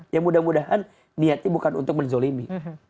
ya mudah mudahan niatnya bukan untuk menzolimi